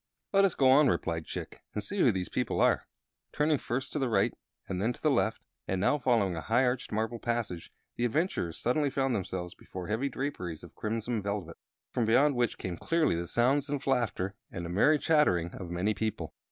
"Let us go on," replied Chick, "and see who these people are." Turning first to the right and then to left, and now following a high arched marble passage, the adventurers suddenly found themselves before heavy draperies of crimson velvet, from beyond which came clearly the sounds of laughter and the merry chattering of many people.